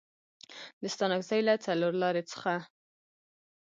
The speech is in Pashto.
د ستانکزي له څلورلارې څخه